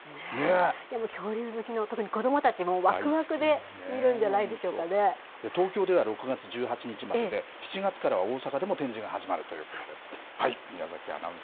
でも恐竜好きの、特に子どもたち、もうわくわくで見るんじゃ東京では６月１８日までで、７月からは大阪でも展示が始まるということです。